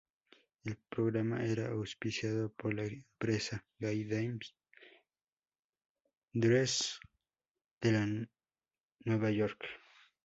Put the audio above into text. El programa era auspiciado por la empresa Jay Day Dress de Nueva York.